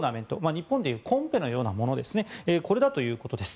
日本で言うコンペのようなものだということです。